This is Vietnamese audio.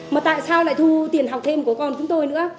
mà tại sao lại thu tiền học thêm của con chúng tôi nữa